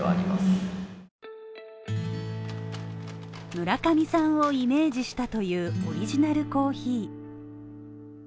村上さんをイメージしたというオリジナルコーヒー。